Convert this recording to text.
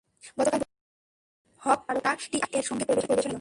গতকাল বুধবার সন্ধ্যায় সেখানে হিপ-হপ তারকা টিআইয়ের সংগীত পরিবেশনের কথা ছিল।